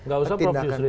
gak usah prof yusril